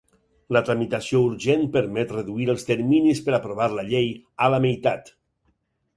La tramitació urgent permet reduir els terminis per aprovar la llei a la meitat.